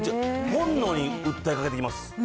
本能に訴えかけてき